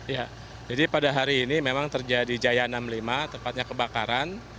ya jadi pada hari ini memang terjadi jaya enam puluh lima tepatnya kebakaran